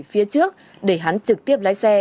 phía trước để hắn trực tiếp lái xe